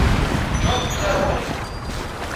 Çok güzelsin.